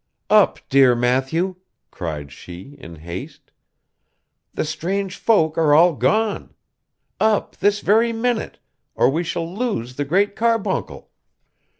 'Up, dear Matthew!' cried she, in haste. 'The strange folk are all gone! Up, this very minute, or we shall loose the Great Carbuncle!